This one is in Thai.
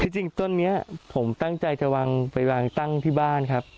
จริงต้นนี้ผมตั้งใจจะวางไปวางตั้งที่บ้านครับ